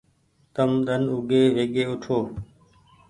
تم ۮن اوگي ويگي اوٺو۔